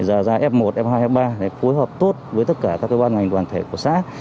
giả ra f một f hai f ba để cối hợp tốt với tất cả các cơ quan ngành toàn thể của xã